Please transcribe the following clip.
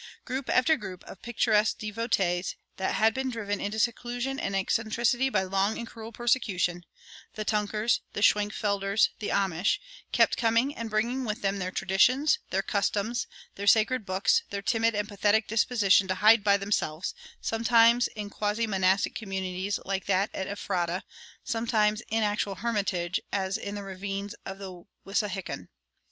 Group after group of picturesque devotees that had been driven into seclusion and eccentricity by long and cruel persecution the Tunkers, the Schwenkfelders, the Amish kept coming and bringing with them their traditions, their customs, their sacred books, their timid and pathetic disposition to hide by themselves, sometimes in quasi monastic communities like that at Ephrata, sometimes in actual hermitage, as in the ravines of the Wissahickon.